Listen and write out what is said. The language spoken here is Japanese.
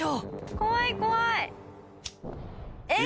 怖い怖いええっ！